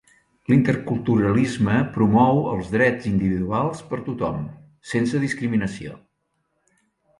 L'interculturalisme promou els drets individuals per a tothom, sense discriminació.